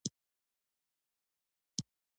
غزني د افغانانو د ژوند طرز په مستقیم ډول ډیر اغېزمنوي.